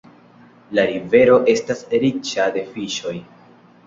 La rivero estas riĉa de fiŝoj.